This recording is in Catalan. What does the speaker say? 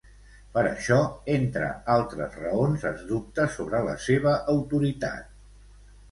Per això, entre altres raons, es dubta sobre la seva autoritat.